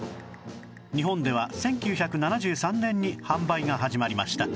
日本では１９７３年に販売が始まりました